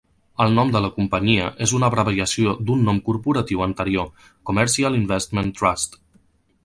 El nom de la companyia és una abreviació d'un nom corporatiu anterior, Commercial Investment Trust.